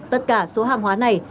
tất cả số hàng hóa này